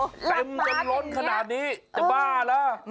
เต็มจนล้นขนาดนี้จะบ้าแล้ว